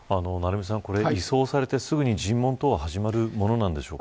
移送されてすぐに尋問等が始まるものなんでしょ